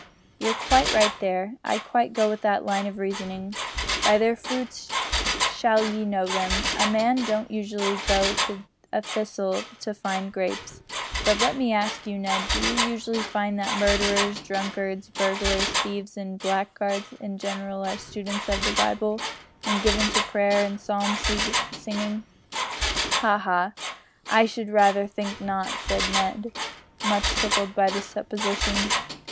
"You're quite right there. I quite go with that line of reasoning. By their fruits shall ye know them. A man don't usually go to a thistle to find grapes. But let me ask you, Ned, do you usually find that murderers, drunkards, burglars, thieves, and blackguards in general are students of the Bible and given to prayer and psalm singing?" "Ha! ha! I should rather think not," said Ned, much tickled by the supposition.